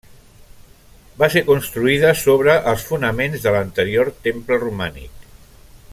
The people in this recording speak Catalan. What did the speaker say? Va ser construïda sobre els fonaments de l'anterior temple romànic.